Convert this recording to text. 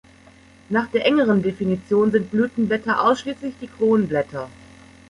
Nach der engeren Definition sind Blütenblätter ausschließlich die Kronblätter.